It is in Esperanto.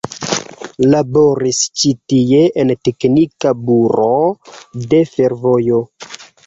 Laboris ĉi tie en teknika buroo de fervojo.